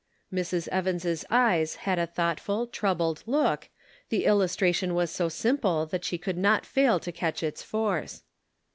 Mrs. Evans' eyes had a thoughtful, troubled look, the illustration was so simple that she could not fail to catch its force.